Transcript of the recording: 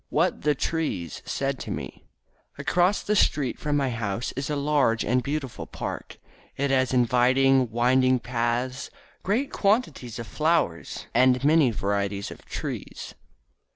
"_ WHAT THE TREES SAID TO ME Across the street from my home is a large and beautiful park. It has inviting, winding paths, great quantities of flowers and many varieties of trees.